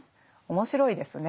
面白いですね。